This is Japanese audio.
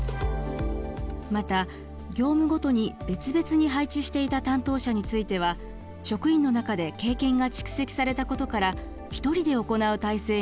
また業務ごとに別々に配置していた担当者については職員の中で経験が蓄積されたことから１人で行う態勢に改めました。